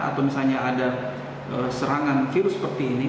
atau misalnya ada serangan virus seperti ini